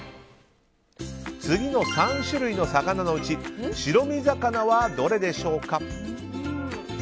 次の３種類の魚のうち白身魚はどれでしょうか。